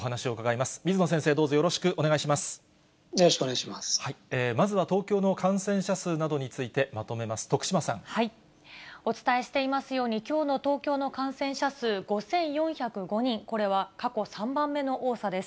まずは東京の感染者数などにお伝えしていますように、きょうの東京の感染者数、５４０５人、これは過去３番目の多さです。